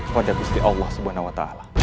kodakusti allah swt